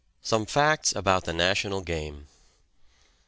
SOME FACTS ABOUT THE NATIONAL GAME.